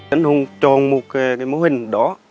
anh hùng chọn một mô hình đó